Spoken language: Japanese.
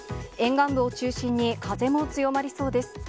沿岸部を中心に風も強まりそうです。